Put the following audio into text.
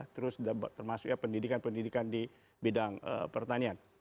termasuk pendidikan pendidikan di bidang pertanian